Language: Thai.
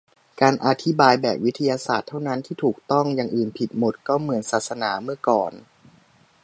'การอธิบายแบบวิทยาศาสตร์เท่านั้นที่ถูกต้อง' อย่างอื่นผิดหมด ก็เหมือนศาสนาเมื่อก่อน